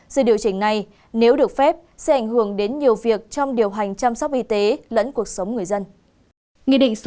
sự điều chỉnh này nếu được phép sẽ ảnh hưởng đến nhiều việc trong điều hành chăm sóc y tế lẫn cuộc sống người dân